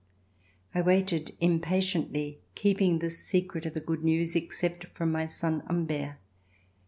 I waited impatiently, keeping the secret of the good news, except from my son Humbert.